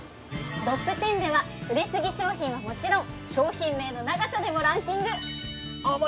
ドップ１０では売れすぎ商品はもちろん商品名の長さでもランキング！